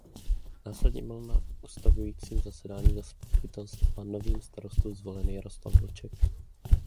Následně byl na ustavujícím zasedání zastupitelstva novým starostou zvolen Jaroslav Vlček.